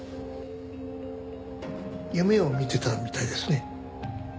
夢を見てたみたいですね。